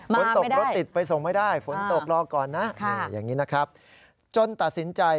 ฝนตกรถติดไปส่งไม่ได้ฝนตกรอก่อนนะอย่างนี้นะครับจนตัดสินใจ